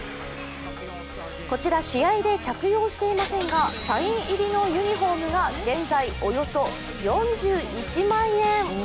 こちら試合で着用していませんが、サイン入りのユニフォームが現在およそ４１万円。